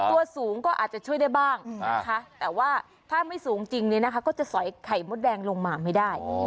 ตัวสูงก็อาจจะช่วยได้บ้างนะคะแต่ว่าถ้าไม่สูงจริงเนี่ยนะคะก็จะสอยไข่มดแดงลงมาไม่ได้